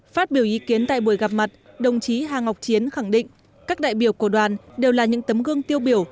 phát biểu ý kiến tại buổi gặp mặt đồng chí hà ngọc chiến khẳng định các đại biểu của đoàn đều là những tấm gương tiêu biểu